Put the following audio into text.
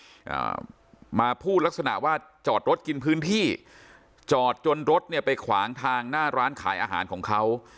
อ่ามาพูดลักษณะว่าจอดรถกินพื้นที่จอดจนรถเนี่ยไปขวางทางหน้าร้านขายอาหารของเขา